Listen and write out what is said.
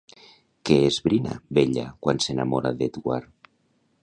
Què esbrina, Bella, quan s'enamora d'Edward?